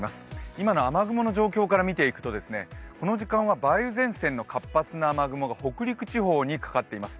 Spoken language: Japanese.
今の雨雲の状況から見ていくと、この時間は梅雨前線の活発な雨雲が北陸地方にかかっています。